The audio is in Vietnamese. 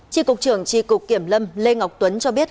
tri cục trưởng tri cục kiểm lâm lê ngọc tuấn cho biết